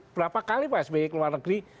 berapa kali pak sby ke luar negeri